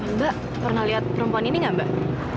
mbak pernah lihat perempuan ini gak mbak